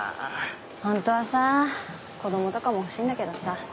ホントはさ子供とかも欲しいんだけどさ。